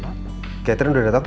mbak catherine belum datang pak